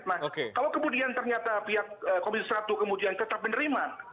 nah kalau kemudian ternyata pihak komisi satu kemudian tetap menerima